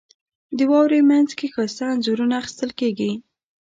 • د واورې مینځ کې ښایسته انځورونه اخیستل کېږي.